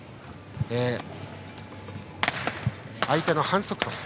相手の反則と。